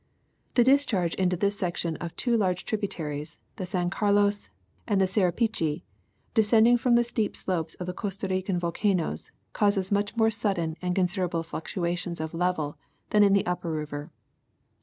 The discharge into this section of two large tributaries, the San Carlos and the Sarapiqui, descending from the steep slopes of the Costa Rican volcanoes, causes much more sudden and consid erable fluctuations of level than in the upper river.